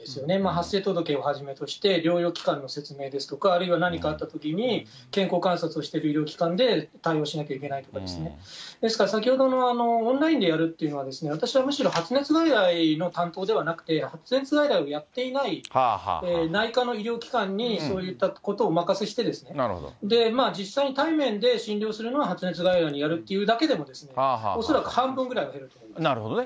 発生届をはじめとして、療養期間の説明ですとか、あるいは何かあったときに、健康観察をしてくれる医療機関で対応しなきゃいけないとかですね、ですから、先ほどのオンラインでやるっていうのは、私はむしろ発熱外来の担当ではなくて、発熱外来をやっていない、内科の医療機関にそういったことをお任せして、まあ、実際に対面で診療するのは発熱外来でやるというだけでも、恐らく半分ぐらいは減ると思います。